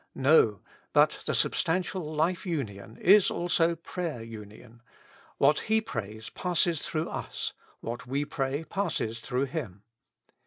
No, but the sub stantial life union is also prayer union : what He prays passes through us, what we pray passes through Him.